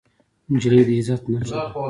نجلۍ د عزت نښه ده.